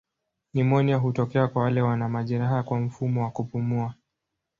Nimonia hutokea kwa wale wana majeraha kwa mfumo wa kupumua.